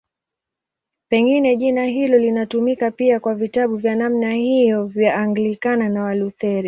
Pengine jina hilo linatumika pia kwa vitabu vya namna hiyo vya Anglikana na Walutheri.